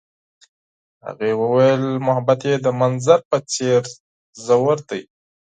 هغې وویل محبت یې د منظر په څېر ژور دی.